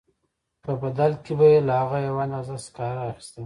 په بدل کې به یې له هغه یوه اندازه سکاره اخیستل